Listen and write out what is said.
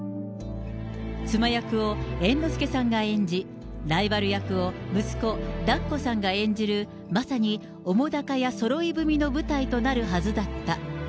妻役を猿之助さんが演じ、ライバル役を息子、團子さんが演じる、まさに澤瀉屋そろい踏みの舞台となるはずだった。